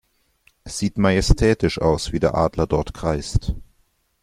Es sieht majestätisch aus, wie der Adler dort kreist.